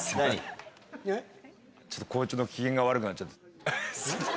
ちょっと校長の機嫌が悪くなっちゃって。